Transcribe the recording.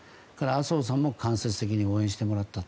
麻生さんも間接的に応援してもらった。